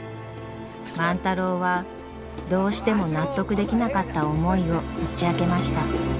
万太郎はどうしても納得できなかった思いを打ち明けました。